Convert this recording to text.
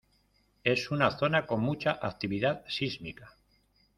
Es una zona con mucha actividad sísmica.